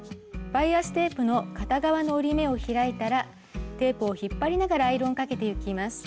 バイアステープの片側の折り目を開いたらテープを引っ張りながらアイロンをかけてゆきます。